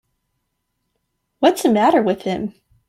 What's the matter with him.